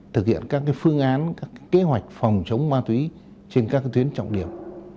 thực hiện các phương án các kế hoạch phòng chống ma túy trên các tuyến trọng điểm